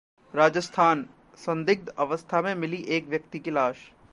राजस्थानः संदिग्ध अवस्था में मिली एक व्यक्ति की लाश